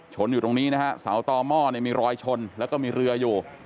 อยู่ตรงนี้นะฮะเสาต่อหม้อเนี่ยมีรอยชนแล้วก็มีเรืออยู่